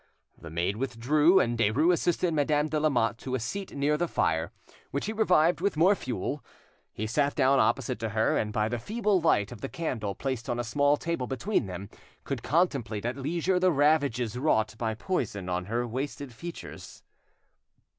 The maid withdrew, and Derues assisted Madame de Lamotte to a seat near the fire, which he revived with more fuel. He sat down opposite to her, and by the feeble light of the candle placed on a small table between them could contemplate at leisure the ravages wrought by poison on her wasted features.